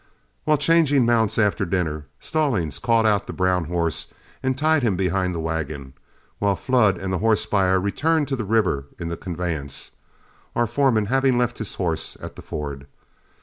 While changing mounts after dinner, Stallings caught out the brown horse and tied him behind the wagon, while Flood and the horse buyer returned to the river in the conveyance, our foreman having left his horse at the ford.